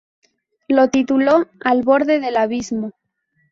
Lo tituló "Al borde del abismo".